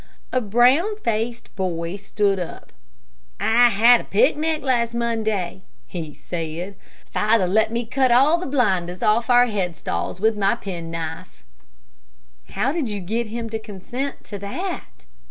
A brown faced boy stood up. "I had a picnic last Monday," he said; "father let me cut all the blinders off our head stalls with my penknife." "How did you get him to consent to that?"